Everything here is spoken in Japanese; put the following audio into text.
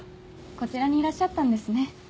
こちらにいらっしゃったんですね。